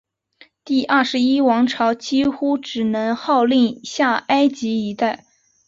第二十一王朝几乎只能号令下埃及一带。